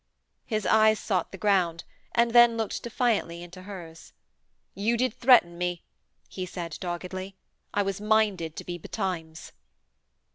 His eyes sought the ground, and then looked defiantly into hers. 'You did threaten me!' he said doggedly. 'I was minded to be betimes.'